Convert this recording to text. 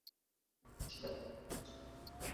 Maandishi yake hayasomeki